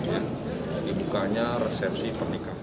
ini bukanya resepsi pernikahan